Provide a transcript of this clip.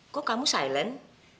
kok kamu silent